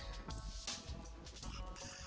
aku gak terima